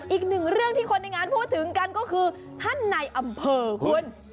อีกหนึ่งเรื่องที่คนในงานพูดถึงกันก็คือท่านในอำเภอคุณ